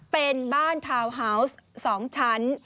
เป็นบ้านทาวน์ฮาวส์๒ชั้น